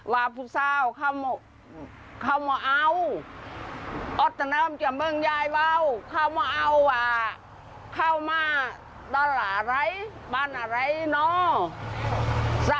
ว่าผู้สาวเขามาเอาอัตนำจำเป็นยายเบาเขามาเอาว่าเข้ามาด้านอะไรบ้านอะไรเนาะ